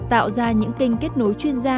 tạo ra những kênh kết nối chuyên gia